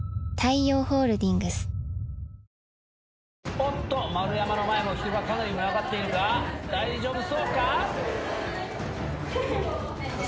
おっと丸山の前も人がかなり群がっているが大丈夫そうか？